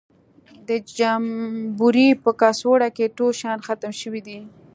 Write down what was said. د جمبوري په کڅوړه کې ټول شیان ختم شوي دي.